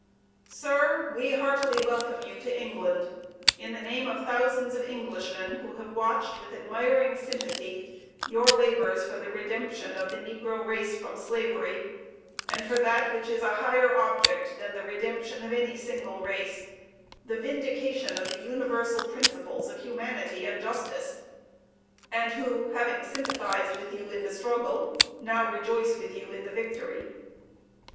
"SIR: We heartily welcome you to England in the name of thousands of Englishmen who have watched with admiring sympathy your labors for the redemption of the negro race from slavery, and for that which is a higher object than the redemption of any single race, the vindication of the universal principles of humanity and justice; and who, having sympathized with you in the struggle, now rejoice with you in the victory.